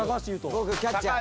僕キャッチャー。